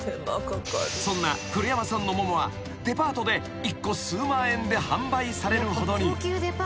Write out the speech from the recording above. ［そんな古山さんの桃はデパートで１個数万円で販売されるほどに］